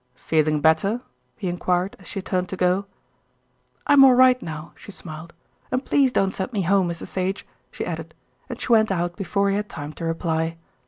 "Feeling better?" he enquired as she turned to go. "I'm all right now," she smiled, "and please don't send me home, Mr. Sage," she added, and she went out before he had time to reply.